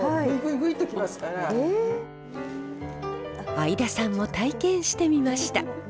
相田さんも体験してみました。